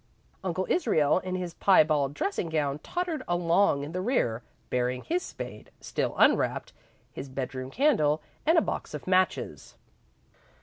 Uncle Israel, in his piebald dressing gown, tottered along in the rear, bearing his spade, still unwrapped, his bedroom candle, and a box of matches.